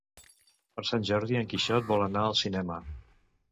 Per Sant Jordi en Quixot vol anar al cinema.